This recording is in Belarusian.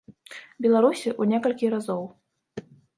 Беларусі, у некалькі разоў.